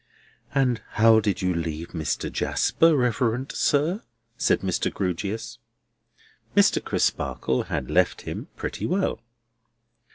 "And how did you leave Mr. Jasper, reverend sir?" said Mr. Grewgious. Mr. Crisparkle had left him pretty well.